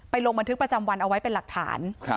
ลงบันทึกประจำวันเอาไว้เป็นหลักฐาน